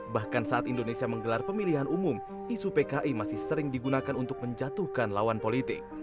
bahkan saat indonesia menggelar pemilihan umum isu pki masih sering digunakan untuk menjatuhkan lawan politik